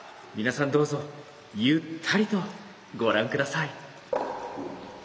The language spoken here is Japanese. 皆さんどうぞゆったりとご覧下さい。